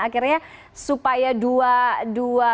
akhirnya supaya dua